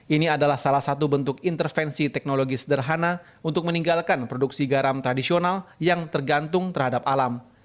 ini adalah salah satu bentuk intervensi teknologi sederhana untuk meninggalkan produksi garam tradisional yang tergantung terhadap alam